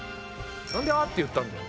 なんで「あっ！」って言ったんだよ？